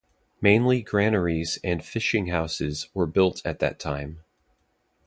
Mainly granaries and fishing houses were built at that time.